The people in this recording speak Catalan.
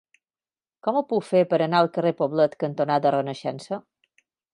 Com ho puc fer per anar al carrer Poblet cantonada Renaixença?